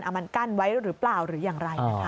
เอามันกั้นไว้หรือเปล่าหรืออย่างไรนะคะ